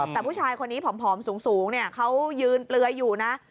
แต่ผู้ชายคนนี้ผอมสูงเขายืนเปลือยอยู่นะ